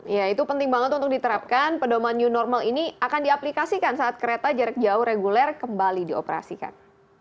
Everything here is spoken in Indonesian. ya itu penting banget untuk diterapkan pedoman new normal ini akan diaplikasikan saat kereta jarak jauh reguler kembali dioperasikan